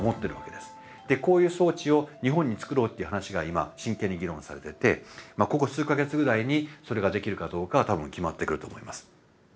でこういう装置を日本につくろうっていう話が今真剣に議論されててここ数か月ぐらいにそれができるかどうかは多分決まってくると思います。